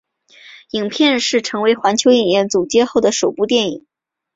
影片是成为环球影业总监后的首部电影。